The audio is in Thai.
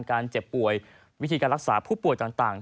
เจ็บป่วยวิธีการรักษาผู้ป่วยต่าง